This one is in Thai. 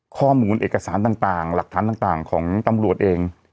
ข้อมูลเอกสารต่างหลักฐานต่างของตำรวจเอง